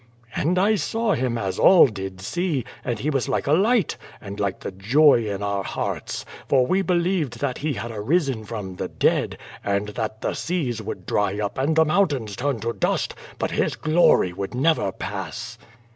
"And I saw Him as all did see, and He was like a light, and like the joy in our hearts, for we believed that He had arisen from the de«nd, and that the seas would drj' up and the mountains turn to dust, but His glor} would never pass."